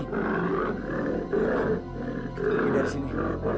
kita pergi dari sini